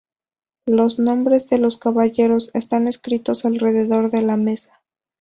Los nombres de los caballeros están escritos alrededor de la mesa.